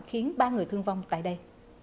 khiến ba người thương vong tại đây